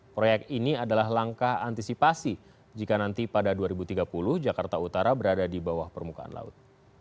proyek ini adalah langkah antisipasi jika nanti pada dua ribu tiga puluh jakarta utara berada di bawah permukaan laut